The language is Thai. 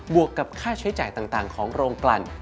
วกกับค่าใช้จ่ายต่างของโรงกลั่น